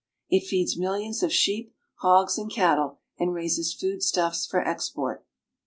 It feeds millions of sheep, hogs, and cattle, and raises food stuffs for export.